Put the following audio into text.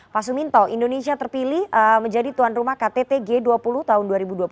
pak suminto indonesia terpilih menjadi tuan rumah ktt g dua puluh tahun dua ribu dua puluh tiga